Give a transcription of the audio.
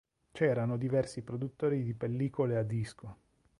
C'erano diversi produttori di pellicole a disco.